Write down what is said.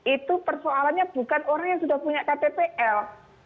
itu persoalannya bukan orang yang sudah punya ktpl